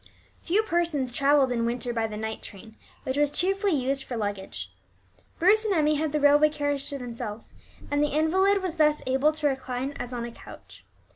Few persons travelled in winter by the night train, which was chiefly used for luggage. Bruce and Emmie had the railway carriage to themselves, and the invalid was thus able to recline as on a couch.